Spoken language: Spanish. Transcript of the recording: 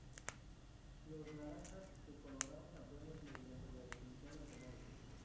Los naranjas se coronaron campeones mediante la definición en penales.